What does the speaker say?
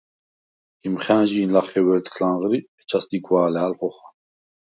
გიმხა̈ნჟი̄ნ ლახე ვერთქლ ანღრი, ეჯას ლიგვა̄ლა̄̈ლ ხოხა.